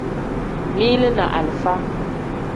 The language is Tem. Mili ni alifa.